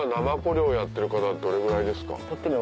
漁やってる方どれぐらいですか？